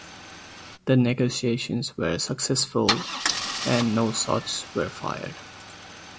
The negotiations were successful and no shots were fired.